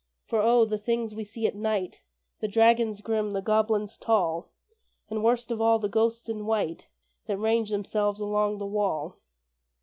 For O! the things we see at night The dragons grim, the goblins tall, And, worst of all, the ghosts in white That range themselves along the wall!